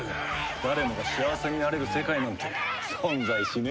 誰もが幸せになれる世界なんて存在しねえんだよ。